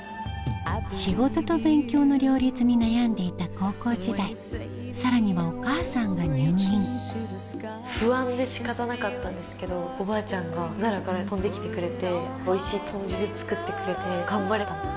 仕事と勉強の両立に悩んでいた高校時代さらにはお母さんが入院不安で仕方なかったんですけどおばあちゃんが奈良から飛んで来てくれておいしい豚汁作ってくれて頑張れた。